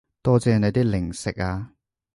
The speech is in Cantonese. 多謝你啲零食啊